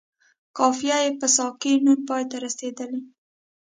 قافیه یې په ساکن نون پای ته رسیدلې.